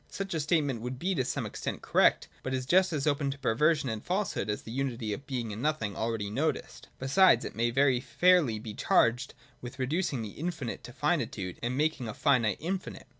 Such a statement would be to some extent correct ; but is just as open to perversion and falsehood as the unity of Being and Nothing already noticed. Besides it may very fairly be charged with reducing the infinite to finitude and making a finite infinite.